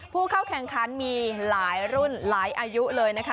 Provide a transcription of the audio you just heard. ผู้เข้าแข่งขันมีหลายรุ่นหลายอายุเลยนะคะ